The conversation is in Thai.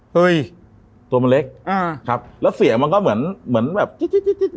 เฮ้ยตัวมันเล็กอ่าครับแล้วเสียงมันก็เหมือนเหมือนแบบกิ๊ก